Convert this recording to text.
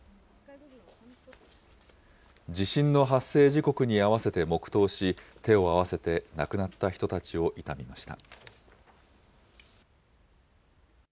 時刻に合わせて黙とうし、手を合わせて、亡くなった人たちを悼みました。